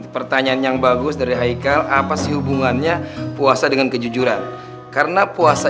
pertanyaan yang bagus dari haikal apa sih hubungannya puasa dengan kejujuran karena puasa